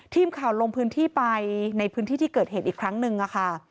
ทีมข่าวลงพื้นที่ไปในพื้นที่ที่เกิดเหตุอีกครั้งหนึ่งค่ะ